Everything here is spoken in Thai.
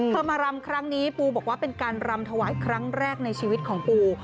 มารำครั้งนี้ปูบอกว่าเป็นการรำถวายครั้งแรกในชีวิตของปู